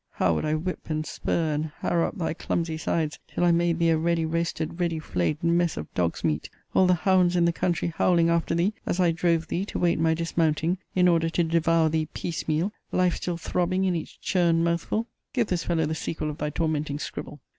how would I whip and spur, and harrow up thy clumsy sides, till I make thee a ready roasted, ready flayed, mess of dog's meat; all the hounds in the country howling after thee, as I drove thee, to wait my dismounting, in order to devour thee piece meal; life still throbbing in each churned mouthful! Give this fellow the sequel of thy tormenting scribble.